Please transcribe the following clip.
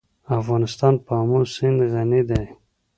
افغانستان په آمو سیند غني دی.